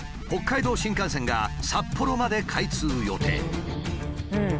北海道新幹線が札幌まで開通予定。